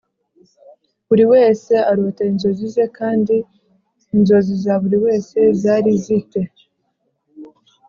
Buri wese arota inzozi ze kandi inzozi za buri wese zari zi te